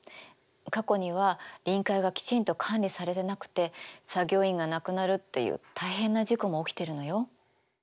過去には臨界がきちんと管理されてなくて作業員が亡くなるっていう大変な事故も起きてるのよ。